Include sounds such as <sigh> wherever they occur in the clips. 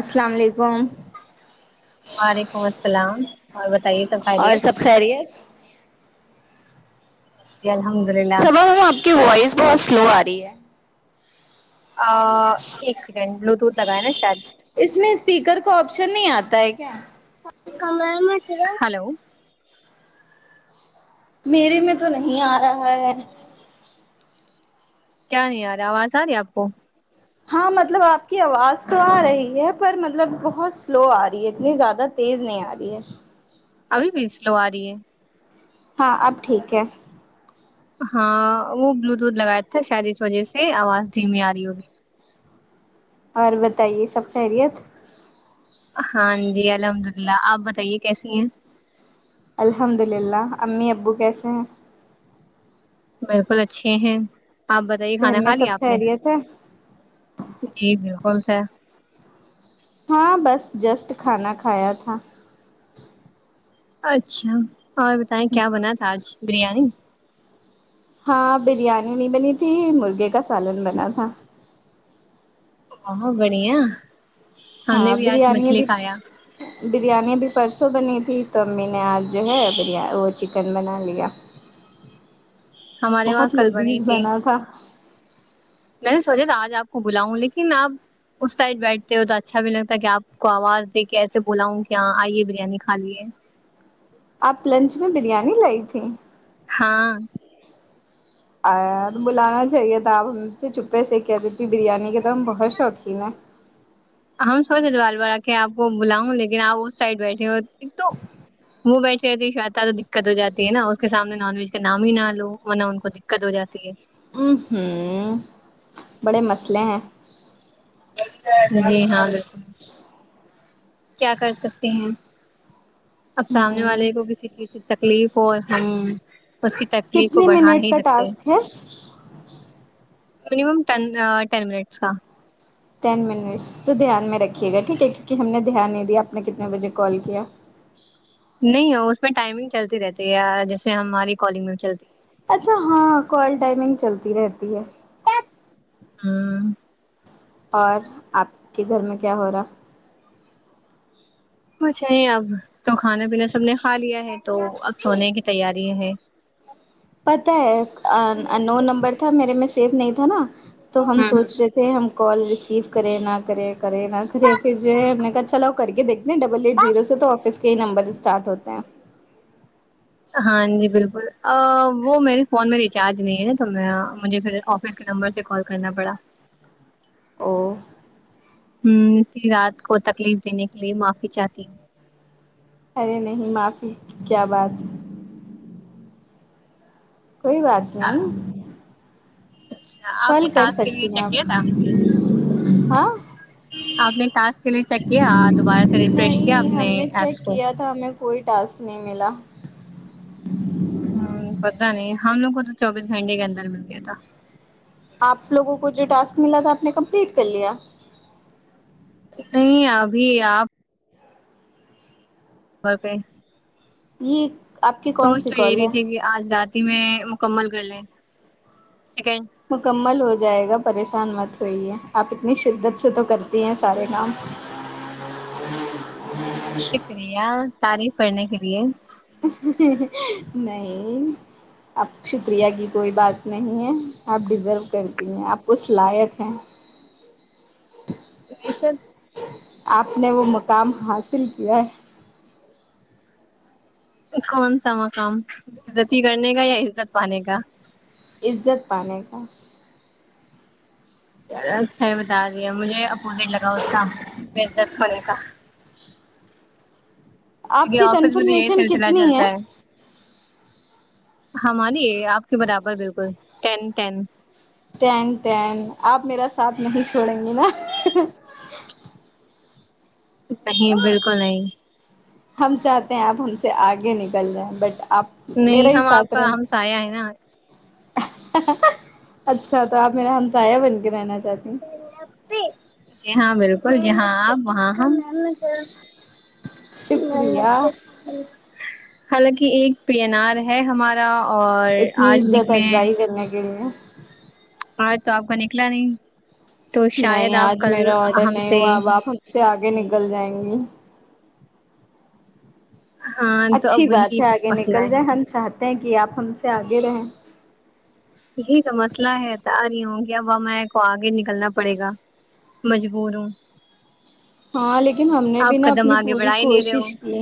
السلام علیکم وعلیکم السلام اور بتائیے سب اور خیریت سب خیریت جی الحمدللہ صبا ءہمیں آپ کی وائس بہت سلو آ رہی ہے آ ایک سیکنڈ بلوٹوتھ لگایا نا شاید اس میں اسپیکر کو آپشن نہیں آتا ہے کیا ہلو میرے میں تو نہیں آ رہا ہے کیا نہیں ارا آواز آ رہی ہے آپ کو ہاں مطلب آپ کی آواز تو آ رہی ہے پر مطلب بہت سلو آ رہی ہے اتنی زیادہ تیز نہیں آ رہی ہے ابھی بھی سلو آ رہی ہے ہاں اب ٹھیک ہے ہاں وہ بلوٹوتھ لگایا تھا شاید اس وجہ سے آواز دھیمی آ رہی ہوگی اور بتائیے سب خیریت ہاں جی الحمد اللہ آپ بتائیے کیسی ہیں الحمد للہ امی ابو کیسے ہیں بالکل اچھے ہیں آپ بتائیے گھر کھانا میں کھا سب لیا آپ نے خیریت ہے جی بالکل سر ہاں بس جسٹ کھانا کھایا تھا اچھا اور بتائیں کیا بنا تھا آج بریانی ہاں بریانی نہیں بنی تھی مرغے کا سالن بنا تھا اہو بڑھیا ہم نے ہاں بھی آج بریانی مچھلی بھی کھایا بریانی ابھی پرسوں بنی تھی تو امی نے آج جو ہے وہ چکن بنا لیا ہمارے وہاں بہت کل بنی لذیذ تھی بنا تھا میں نے سوچا تھا آج آپ کو بلاؤں لیکن آپ اس سائڈ بیٹھتے ہو تو اچھا بھی لگتا ہے کہ آپ کو آواز دے کے ایسے بولاؤں کیا آئیے بریانی کھا لیے آپ لنچ میں بریانی لائی تھی ہاں آ بلانا چاہیے تھا آپ ہم سے چھپے سے ہی کہ دیتی بریانی کے تو ہم بہت شوقین ہیں ہم سوچے تو بار بار آ کے آپ کو بلاؤں لیکن آپ اس سائڈ بیٹھے ہو تو وہ بیٹھے رہتی شویتا تو دقت ہو جاتی ہے نا اس کے سامنے نان ویج کا نام ہی نہ لو ورنہ ان کو دق کت ہو جاتی ہے ہمم ہممم بڑے مسلے ہیں جی ہاں بالکل کیا کر سکتے ہیں اب سامنے ہوں والے کو کسی چیز سے تکلیف ہو اور ہم اس کی تکلیف کو کتنے بڑھا منٹ نہیں کا سکتے ٹاسک ہے مینیمم ٹین آ ٹین منٹس کا ٹین منٹس تو دھیان میں رکھیے گا ٹھیک ہے کیونکہ ہم نے دھیان نہیں دیا آپ نے کتنے بجے کال کیا نہیں ہو اس میں ٹائمنگ چلتی رہتی ہے یار جیسے ہماری کالنگ میں چلتی ہے اچھا ہاں کال ٹائمنگ چلتی رہتی ہے ہوں اور آپ کے گھر میں کیا ہو رہا کچھ نہیں اب تو کھانا پینا سب نے کھا لیا ہے تو اب سونے کی تیاری ہے پتا ہے ہوں آنون نمبر تھا میرے میں سیف نہیں تھا نا تو ہم ہوں سوچ رہے تھے ہم کال ریسیو کرے نہ کریں کرے نہ کرے پھر جو ہے ہم نے کہا چلو کر کے دیکھ ڈبل ایٹ زیرو سے تو آفس کے ہی نمبر اسٹارٹ ہوتے ہیں ہاں جی بالکل آآ وہ میرے فون میں ریچارج نہیں ہے تو میں مجھے پھر آف اس کے نمبر سے کال کرنا پڑا او ہوں اتنی رات کو تکلیف دینے کے لیے معافی چاہتی ہوں ارے نہیں معافی کی کیا بات کوئی بات نہیں اچھا آپ نے کال کر ٹاسک کے لیے سکتی ہیں چیک آپ کیا تھا ہاں آپ نے ٹاسک کے لیے چیک کیا دوبارہ سے ریفریش کیا نہیں ہم اپنے نے ایپس چیک کو کیا تھا ہمیں کوئی ٹاسک نہیں ملا ہوں پتا نہیں ہم لوگ کو تو چوبیس گھنٹے کے اندر مل گیا تھا آپ لوگوں کو جو ٹاسک ملا تھا آپ نے کمپلیٹ کر لیا نہیں ابھی آپ پر پے یہ آپ کی کون سوچ سی تو یہ کال رہی ہے تھی کہ آج رات ہی میں مکمل کر لیں سیکنڈ مکمل ہو جائے گا پریشان مت ہوئیے آپ اتنی شدت سے تو کرتی ہیں سارے کام شکریہ تعریف کرنے کے لیے نہیں آپ شکریہ کی کوئی بات نہیں ہے آپ ڈیزو کرتی ہیں آپ اس لائق ہیں <unintelligible> آپ نے وہ مقام حاصل کیا ہے کون سا مقام عزتی کرنے کا یا عزت پانے کا عزت پانے کا اچھا ہے بتا دیا مجھے اپوزٹ لگا اس کا بےعزت ہونے کا آپ کی آفس میں تو یہی کنفرمیشن سلسلہ کتنی چلتا ہے ہماری ہے آپ کے برابر بالکل ٹین ٹین ٹین ٹین آپ میرا ساتھ نہیں چھوڑیں گی نا نہیں بالکل نہیں ہم چاہتے ہیں آپ ہم سے آگے نکل رہے ہیں بٹ آپ میرا نہیں ہی ہم آپ ساتھ کا رہیں ہم سایہ ہے نا اچھا تو آپ میرا ہمسایہ بن کے رہنااہ جی ہاں بالکل جہاں آپ وہاں ہم شکریہ <unintelligible> حالانکہ ایک پیینار ہے ہمارا اور آج نکلے گرنے کے لیے آج تو آپ کا نکلا نہیں تو نہیں شاید آپ آج کل میرا آڈر ہم نہیں سے ہوا اب آپ ہم سے آگے ہمم نکل جائیں گی ہاں تو اچھی اب بات وہی ہے آگے مسئلہ نکل ہے جائے ہم چاہتے ہیں کہ آپ ہم سے آگے رہیں یہی تو مسئلہ ہے ت آ نہیں ہ گی اب میں کو آگے نکلنا پڑے گا مجبور ہوں ہاں لیکن ہم نے بھی آپ نا قدم اپنی آگے پوری بڑھا ہی نہیں رہے ہو کوشش کی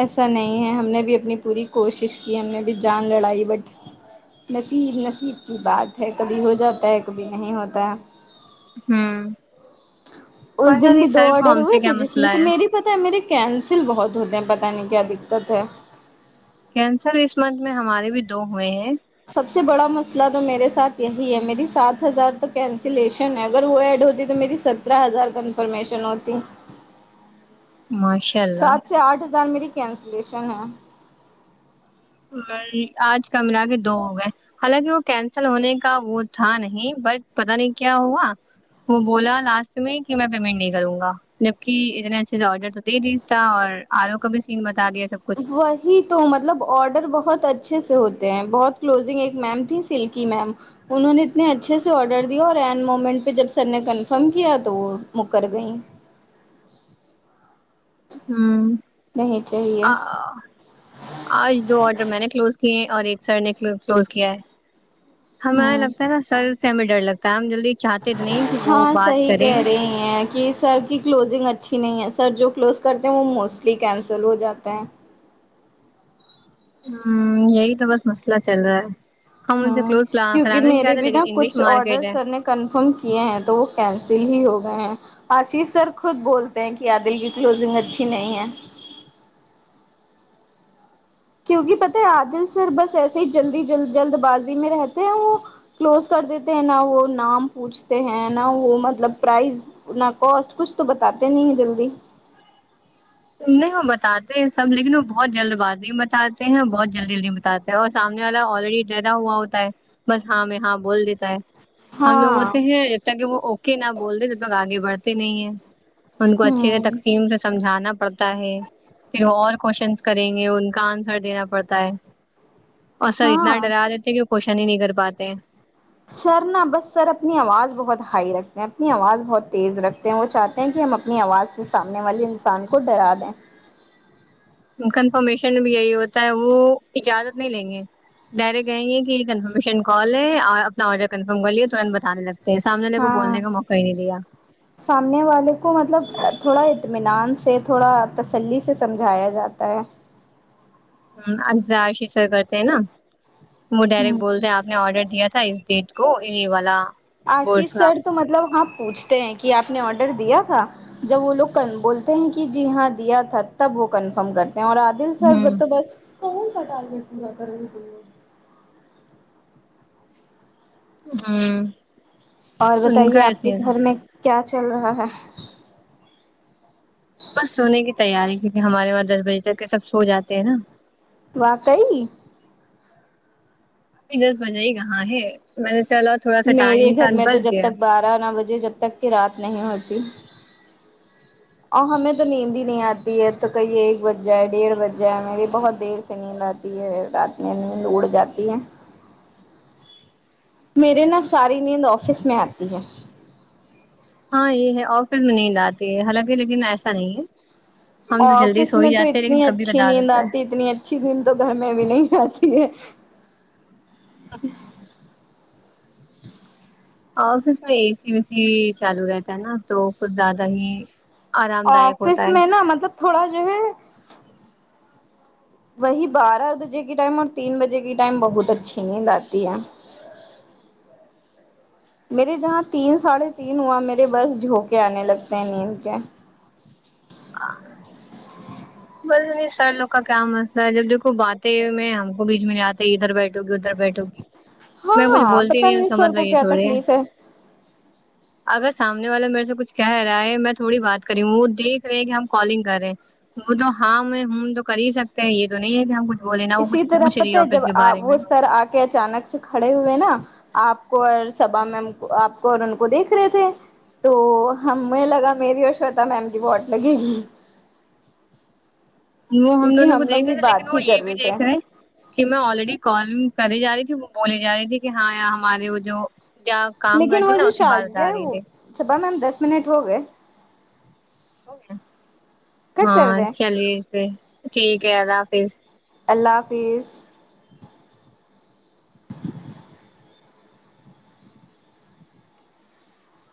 ایسا نہیں ہے ہم نے بھی اپنی پوری کوشش کی ہم نے بھی جان لڑائی بٹ نصیب نصیب کی بات ہے کبھی ہو جاتا ہے کبھی نہیں ہوتا ہے ہوں اس پتا دن نہیں بھی دو سر کو آڈر ہم ہوئے سے کیا تھے جس مسئلہ میں سے ہے میری پتہ ہے میرے کینسل بہت ہوتے ہیں پتہ نہیں کیا دقت ہے کینسل اس منتھ میں ہمارے بھی دو ہوئے ہیں سب سے بڑا مسئلہ تو میرے ساتھ یہی ہے میری سات ہزار تو کینسلیشن ہے اگر وہ ایڈ ہوتی تو میری سترہ ہزار کنفرمیشن ہوتی ماشاء اللہ سات سے آٹھ ہزار میری کینسلیشن ہے آج کا ملا کے دو ہو گئے حالانکہ وہ کینسل ہونے کا وہ تھا نہیں بٹ پتا نہیں کیا ہوا وہ بولا لاسٹ میں کہ میں پیمنٹ نہیں کروں گا جبکہ اتنے اچھے سے آرڈر تو دے دی تھا اور آرو کا بھی سین بتا دیا سب کچھ ہی تو مطلب آڈر بہت اچھے سے ہوتے ہیں بہت کلوزنگ ایک میم تھی سلکی میم انہوں نے اتنے اچھے سے آڈر دیا اور اینڈ مومنٹ پہ جب سر نے کنفرم کیا تو وہ مکر گئیں ہوں نہیں چاہیے آ آج دو آڈر میں نے کلوز کیے ہیں اور ایک سر نے کلوز کیا ہے ہمیں ہوں لگتا ہے نا سر سے ہمیں ڈر لگتا ہے ہم جلدی چاہتے نہیں کہ وہ ہاں بات صحیح کریں کہہ رہی کہ سر کی کلوزنگ اچھی نہیں ہے سر جو کلوز کرتے ہیں وہ موسٹلی کینسل ہو جاتے ہیں ہوں یہی تو بس مسئلہ چل رہا ہے ہم ان سے ہوں کلوز کرانا کیونکہ نہیں میرے چاہتے بھی لیکن نا انگلش کچھ مارکیٹ آڈرس ہے سر نے کنفرم کیے ہیں تو وہ کینسل ہی ہو گئے ہیں آشیش سر خود بولتے ہیں کہ عادل کی کلوزنگ اچھی نہیں ہے کیونکہ پتہ ہے عادل سر بس ایسے ہی جلدیل جلد بازی میں رہتے ہیں وہ کلوز کر دیتے ہیں نہ وہ نام پوچھتے ہیں نہ وہ مطلب پرائز نہ کوسٹ کچھ تو بتاتے نہیں ہیں جلدی نہیں وہ بتاتے ہیں سب لیکن وہ بہت جلد بازی بتاتے ہیں اور بہت جلدی جلدی بتاتے اور سامنے والا آلریڈی ڈرا ہوا ہوتا ہے بس ہاں میں ہاں بول دیتا ہے ہم لوگ ہاں ہوتے ہیں جب تک کہ وہ اوکے نہ بولتے جب تک آگے بڑھتے نہیں ہیں ان کو اچھے سے ہوں تقسیم سے سمجھانا پڑتا ہے پھر اور کوشچن کریں گے ان کا آنسر دینا پڑتا ہے اور سر اتنا ہاں ڈرا دیتے ہیں کہ وہ کوشن ہی نہیں کر پاتے سر نا بس سر اپنی آواز بہت ہائی رکھتے ہیں اپنی آواز بہت تیز رکھتے وہ چاہتے ہیں کہ ہم اپنی آواز سے سامنے والے انسان کو ڈرا دیں کنفرمیشن بھی یہی ہوتا ہے وہ اجازت نہیں لیں گے ڈائریکٹ کہےگے کہ کنفرمیشن کال ہے اور اپنا آرڈر کنفرم کر لیے ترنت بتانے لگے سامنےنے کو ہاں بولنے کا موقع ہی نہیں دیا سامنے والے کو مطلب تھوڑا اطمینان سے تھوڑا تسلی سے سمجھایا جاتا ہے اجزا شی سیر کرتے ہے نا وہ ڈائریکٹ بولتے ہیں آپ نے آرڈر دیا تھا اس ڈیٹ کو یہ والا آشیش بورڈس کا سر تو مطلب ہاں پوچھتے ہیں کہ اپ نے آڈر دیا تھا جب وہ لوگ کنف بولتے ہیں کہ جی ہاں دیا تھا تب وہ کنفرم کرتے ہیں اور آپ دل سرب ہوں تو بس کون سا ٹارگٹ پورا کر امم اور بتائیے آپ کے گھر میں کیا چل رہا ہے بس سونے کی تیاری کیونکہ ہمارے وہاں دس بجے تک کے سب سو جاتے ہیں نا واقعئی ادھر بجائی کہاں ہے میں نے چلا تھوڑا سا میرے ٹائم گھر تھا میں تو بس جب گیا تک بارہ نا بجے جب تک کے رات نہیں ہوتی اور ہمیں تو نیند ہی نہیں آتی ہے تو کہئی ایک بج جائے ڈیڑھ بج جائے میری بہت دیر سے نیند آتی تی ہے رات میں نیند اڑ جاتی ہے میرے نا ساری نیند آفس میں آتی ہے ہاں یہ ہے آفس میں نیند آتی ہے حالانکہ لیکن ایسا نہیں ہے ہم تو جلدی آفس سو میں ہی تو جاتے ہیں لیکن اتنی کبھی اچھی کدار نیند ہوتا آتی ہے اتنی اچھی نیند تو گھر میں بھی نہیں آتی ہے <unintelligible> آفس میں اے سی وی سی چالو رہتا ہے نا تو کچھ زیادہ ہی آرام دائک آفس ہوتا ہے میں نا مطلب تھوڑا جو ہے وہی بارہ بجے کی ٹائم اور تین بجے کی ٹائم بہت اچھی نیند آتی ہے میرے جہاں تین ساڑھے تین ہوا میرے بس جھونکے آنے لگتے ہیں نیند کے آ بس نہیں سر لوگ کا کیا مسئلہ ہے جب دیکھو باتیں میں ہم کو بیچ میں لاتے تو ادھر بیٹھو گی ادھر بیٹھو گی میں کچھ ہاں بولتی پتا نہیں ہوں اس کا سر مطلب کو یہ کیا تھوڑے ہے تکلیف اگر سامنے والا میرے سے کچھ کہہ رہا ہے میں تھوڑی بات کری ہوں وہ دیکھ رہے کہ ہم کالنگ کر رہیں وہ تو ہاں میں امم تو کر ہی سکتے ہیں یہ تو نہیں ہے کہ ہم کچھ بولے نا وہ اسی کچھ طرح پوچھ رہی پتہ ہے جب آفس کے آ بارے میں وہ سر آ کے اچانک سے کھڑے ہوئے نا آپ کو اور سبا میم کو آپ کو اور ان کو دیکھ رہے تھے تو ہمیں لگا میری اور شویتا میم کی واٹ لگے گی وہ ہم کیونکہ دونوں کو لوگ دیکھرہے بھی تھے لیکن بات ہی وہ کر یہ بھی تھے دیکھ رہے ہیں کہ میں آلریڈی کالینگ کری جا رہی تھی وہ بولی جا رہی تھی کہ ہاں یا ہمارے وہ جو کیا لیکن وہ جو شازیا ہے وہ صبا میم دس منٹ ہو گئے کٹ کر ہاں دیں چلیے پھر ٹھیک ہے اللہ حافظ اللہ حافظ